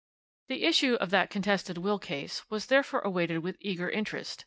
"The issue of that contested will case was therefore awaited with eager interest.